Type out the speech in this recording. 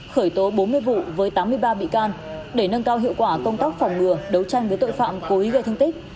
khởi tố bốn mươi vụ với tám mươi ba bị can để nâng cao hiệu quả công tác phòng ngừa đấu tranh với tội phạm cố ý gây thương tích